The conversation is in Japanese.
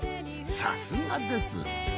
さすがです。